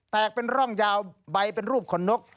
เป็นร่องยาวใบเป็นรูปขนนก